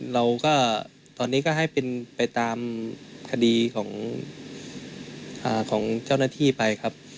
เราก็ตอนนี้ก็ให้เป็นไปตามคดีของเจ้าหน้าที่ไปครับ